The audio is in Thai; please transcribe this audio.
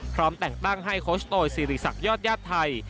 แต่งตั้งให้โคชโตยสิริษักยอดญาติไทย